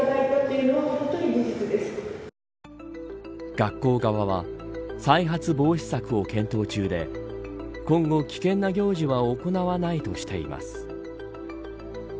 学校側は再発防止策を検討中で今後危険な行事は行わないとしています。